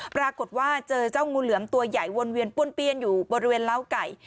ปรากฏว่าเจอเจ้างูเหลือมตัวใหญ่วนเวียนป้วนเปี้ยนอยู่บริเวณล้าไก่